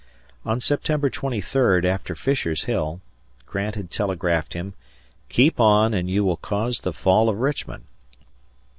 On September 23, after Fisher's Hill, Grant had telegraphed him, "Keep on and you will cause the fall of Richmond."